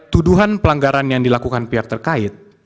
tuduhan pelanggaran yang dilakukan pihak terkait